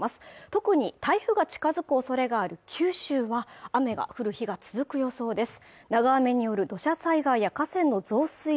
特に台風が近づくおそれがある九州は雨が降る日が続く予想です